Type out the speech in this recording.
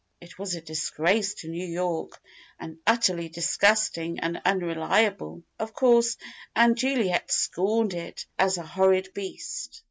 It was a disgrace to New York, and utterly disgusting and unreliable, of course, and Juliet scorned it as a horrid beast.